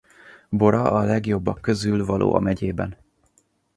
Bora a legjobbak közül való a megyében.